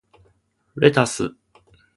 レタス